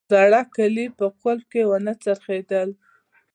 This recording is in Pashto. زړه کیلي په قلف کې ونه څرخیدل